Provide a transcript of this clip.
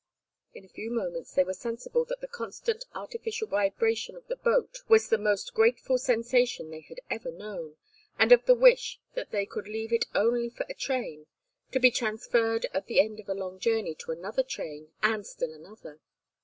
In a few moments they were sensible that the constant artificial vibration of the boat was the most grateful sensation they had ever known, and of the wish that they could leave it only for a train, to be transferred at the end of a long journey to another train, and still another.